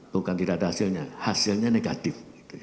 bukan tidak ada hasilnya hasilnya negatif